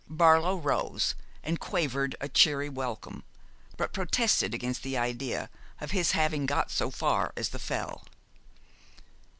Barlow rose and quavered a cheery welcome, but protested against the idea of his having got so far as the Fell.